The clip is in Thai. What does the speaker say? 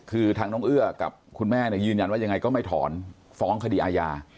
คือทางน้องเอื้อกับคุณแม่ยืนยันว่ายังไงก็ไม่ถอนฟ้องคดีอาญา